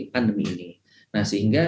pandemi ini nah sehingga